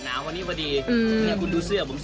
ไม่ใช่ผม